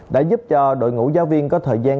đã giúp cho đội ngũ giáo viên có thời gian